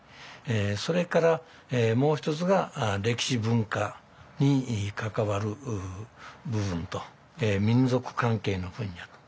それからもう一つが歴史文化に関わる部分と民俗関係の分野と。